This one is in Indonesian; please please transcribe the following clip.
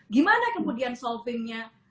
gimana kemudian solvingnya